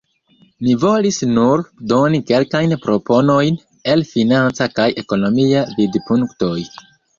Mi volis nur doni kelkajn proponojn el financa kaj ekonomia vidpunktoj.